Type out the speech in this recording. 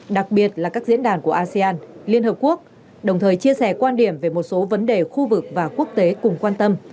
đặc biệt là các diễn đàn của asean liên hợp quốc đồng thời chia sẻ quan điểm về một số vấn đề khu vực và quốc tế cùng quan tâm